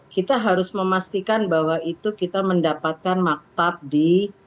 kita harus memastikan bahwa itu kita mendapatkan maktab di